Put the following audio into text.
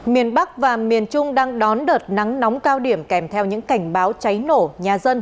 miền bắc và miền trung đang đón đợt nắng nóng cao điểm kèm theo những cảnh báo cháy nổ nhà dân